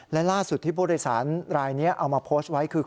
และล่าสุดที่ผู้โดยสารรายนี้เอามาโพสต์ไว้คือ